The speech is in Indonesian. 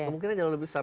mungkin akan lebih besar